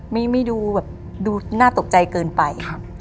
ไม่ดูแบบดูน่าตกใจเกินไป